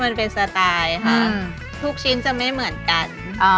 มันเป็นสไตล์ค่ะทุกชิ้นจะไม่เหมือนกัน